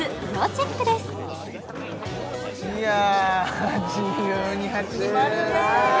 いや自由に走り回りますね